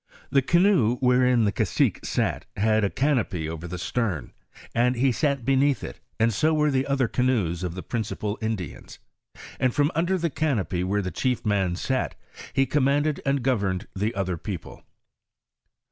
The canoe wherein the cacique sat, had a can opy over the stern, and he sat beneath it, and so were the other canoes of the principal Indians. And from under the canopy where the chief man sat, he commanded and gov erned the other people.